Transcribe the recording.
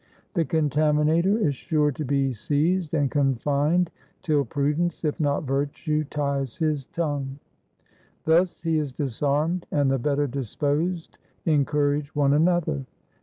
The contaminator is sure to be seized and confined till prudence, if not virtue, ties his tongue. Thus he is disarmed, and the better disposed encourage one another.